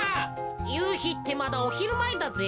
ゆうひってまだおひるまえだぜ。